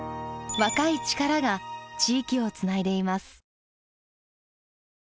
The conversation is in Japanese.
若い力が地域をつないでいます。